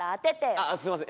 ああすみません。